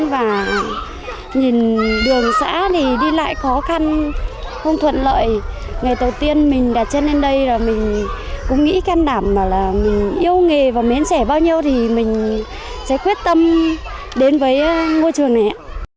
và nhìn đường xã thì đi lại khó khăn không thuận lợi ngày đầu tiên mình đặt chân lên đây rồi mình cũng nghĩ can đảm bảo là mình yêu nghề và mến trẻ bao nhiêu thì mình sẽ quyết tâm đến với môi trường này ạ